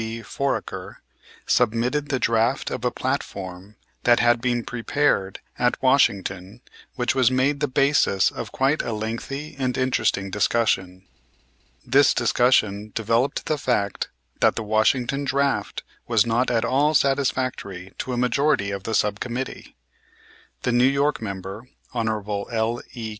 B. Foraker, submitted the draft of a platform that had been prepared at Washington which was made the basis of quite a lengthy and interesting discussion. This discussion developed the fact that the Washington draft was not at all satisfactory to a majority of the sub committee. The New York member, Hon. L.E.